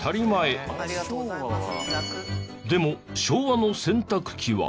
でも昭和の洗濯機は。